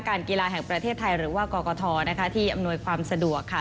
กีฬาแห่งประเทศไทยหรือว่ากกทที่อำนวยความสะดวกค่ะ